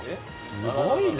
すごいね。